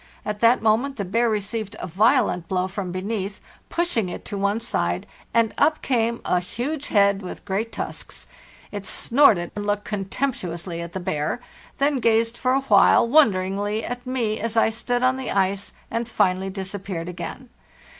At that moment the bear received a violent blow from beneath, pushing it to LAND ATL LAST 423 one side, and up came a huge head with great tusks; it snorted, looked contemptuously at the bear, then gazed for a while wonderingly at me as I stood on the ice, and finally disappeared again.